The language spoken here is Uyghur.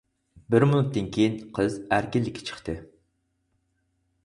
بىر مىنۇتتىن كېيىن قىز ئەركىنلىككە چىقتى.